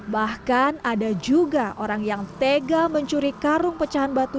bahkan ada juga orang yang tega mencuri karung pecahan batu